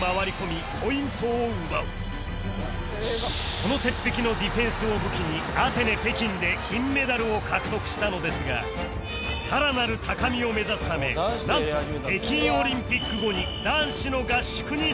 この鉄壁のディフェンスを武器にアテネ北京で金メダルを獲得したのですがさらなる高みを目指すためなんと北京オリンピック後に男子の合宿に参加